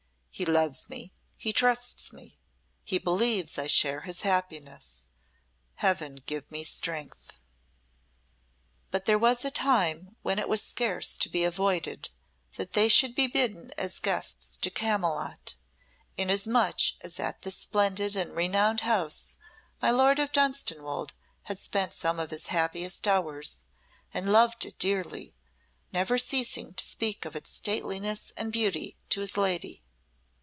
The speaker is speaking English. "He loves me, he trusts me, he believes I share his happiness. Heaven give me strength." But there was a time when it was scarce to be avoided that they should be bidden as guests to Camylott, inasmuch as at this splendid and renowned house my Lord of Dunstanwolde had spent some of his happiest hours, and loved it dearly, never ceasing to speak of its stateliness and beauty to his lady.